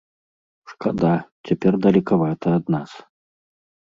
Шкада, цяпер далекавата ад нас.